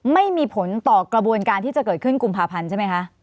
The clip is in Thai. ไม่มีผลต่อกระบวนการที่จะเกิดขึ้นกุมภาพันธ์ใช่ไหมคะ